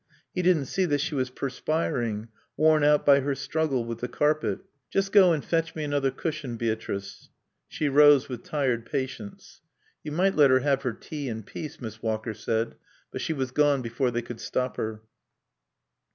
He didn't see that she was perspiring, worn out by her struggle with the carpet. "Just go and fetch me another cushion, Beatrice." She rose with tired patience. "You might let her have her tea in peace," Miss Walker said, but she was gone before they could stop her.